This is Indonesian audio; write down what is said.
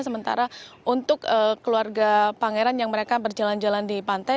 sementara untuk keluarga pangeran yang mereka berjalan jalan di pantai